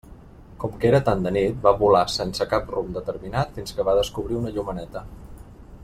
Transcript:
Com que era tan de nit, va volar sense cap rumb determinat fins que va descobrir una llumeneta.